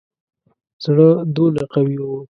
زړه دونه قوي وو.